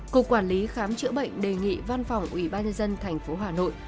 cục quản lý khám chữa bệnh đề nghị văn phòng ủy ban nhân dân tp hà nội